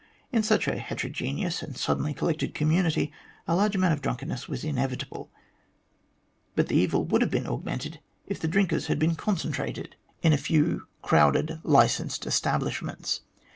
In such a hetero geneous and suddenly collected community a large amount of drunkenness was inevitable, but the evil would have been augmented if the drinkers had been concentrated in a few H 114 THE GLADSTONE COLONY crowded licensed establishments.